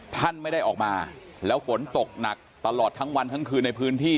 ท่านไม่ได้ออกมาแล้วฝนตกหนักตลอดทั้งวันทั้งคืนในพื้นที่